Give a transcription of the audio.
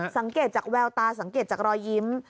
สังเกตจากแววตาสังเกตจากรอยยิ้ม